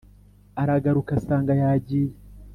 Aragaruka asanga yagiye